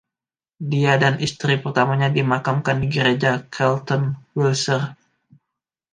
Dia dan istri pertamanya dimakamkan di gereja Charlton, Wiltshire.